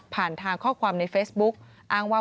ทางข้อความในเฟซบุ๊กอ้างว่า